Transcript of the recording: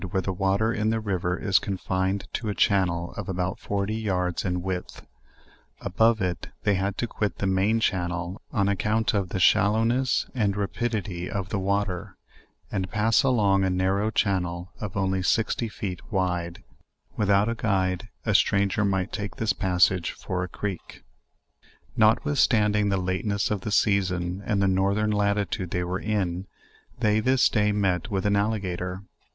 where the water in the river is confined to a channel of about forty yards in widths above it they had to quit the main channel, on account of the shallowness and rapidity of the water, and pass along a narrow channel of only sixty feet wide: without a guide, a stranger might take this passage for a creek. Notwithstanding the lateness of the season, and the north ern latitude they were in, they this day met with an alliga tor.